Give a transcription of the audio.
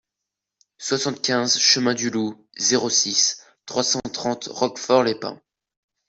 soixante-quinze chemin du Loup, zéro six, trois cent trente Roquefort-les-Pins